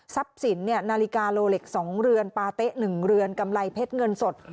ทรัพย์สินเนี่ยนาฬิกาโลเล็กสองเรือนปาเตะหนึ่งเรือนกำไรเพชรเงินสด